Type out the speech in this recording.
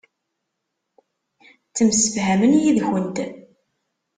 Ttemsefhamen yid-kent.